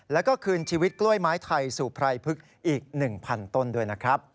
แล้วก็คืนชีวิตกล้วยไม้ไทยสู่ไพรพฤกษ์อีก๑๐๐๐ต้นด้วยนะครับ